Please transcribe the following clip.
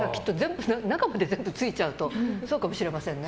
中まで全部ついちゃうとそうかもしれませんね。